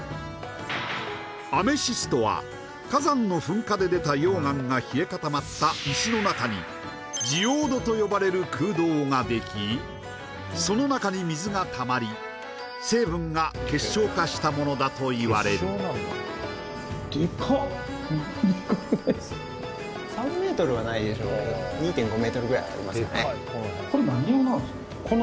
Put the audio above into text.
アメシストは火山の噴火で出た溶岩が冷え固まった石の中にジオードと呼ばれる空洞ができその中に水がたまり成分が結晶化したものだといわれるありますかね